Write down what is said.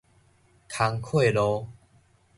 工課路